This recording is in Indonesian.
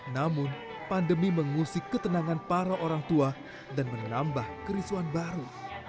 namun pandemi mengusik ketenangan para orang tua dan menambah kerisuan baru